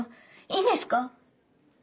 いいんですか？